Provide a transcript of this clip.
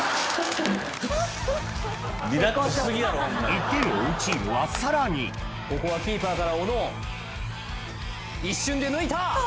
１点を追うチームはさらにここはキーパーから小野一瞬で抜いた！